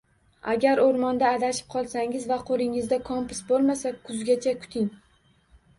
Agar o'rmonda adashib qolsangiz va qo'lingizda kompas bo'lmasa, kuzgacha kuting!